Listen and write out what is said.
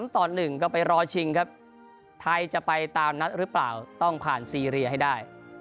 ต่อ๑ก็ไปรอชิงครับไทยจะไปตามนัดหรือเปล่าต้องผ่านซีเรียให้ได้